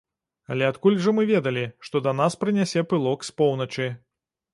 Але, адкуль жа мы ведалі, што да нас прынясе пылок з поўначы?